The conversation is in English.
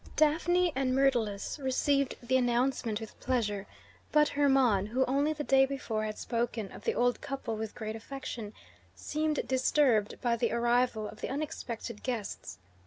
Daphne and Myrtilus received the announcement with pleasure; but Hermon, who only the day before had spoken of the old couple with great affection, seemed disturbed by the arrival of the unexpected guests.